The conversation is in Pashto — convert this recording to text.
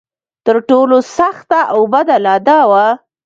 تر ټولو سخته او بده لا دا وه.